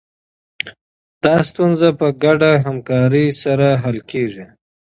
دا ستونزه په ګډه همکارۍ سره حل کېږي.